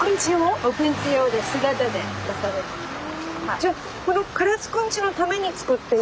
じゃあこの唐津くんちのために作っている。